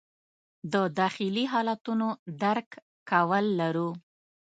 د داخلي حالتونو درک کول لرو.